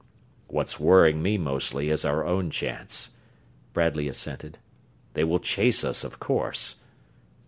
"What's worrying me mostly is our own chance," Bradley assented. "They will chase us, of course."